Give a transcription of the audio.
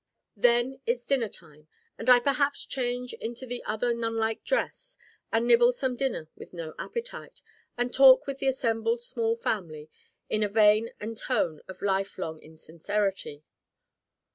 Then it's dinnertime and I perhaps change into the other nunlike dress, and nibble some dinner with no appetite, and talk with the assembled small family in a vein and tone of life long insincerity.